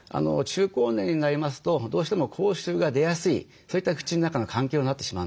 中高年になりますとどうしても口臭が出やすいそういった口の中の環境になってしまうんですよね。